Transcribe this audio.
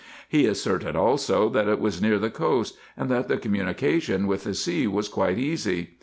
He asserted also, that it was near the coast, and that the communication with the sea was quite easy.